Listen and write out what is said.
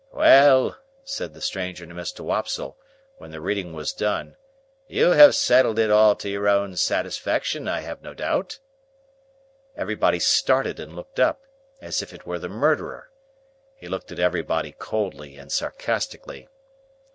"Well!" said the stranger to Mr. Wopsle, when the reading was done, "you have settled it all to your own satisfaction, I have no doubt?" Everybody started and looked up, as if it were the murderer. He looked at everybody coldly and sarcastically.